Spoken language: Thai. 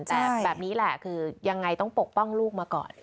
แต่แบบนี้แหละคือยังไงต้องปกป้องลูกมาก่อน